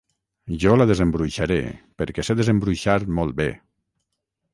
Jo la desembruixaré perquè sé desembruixar molt bé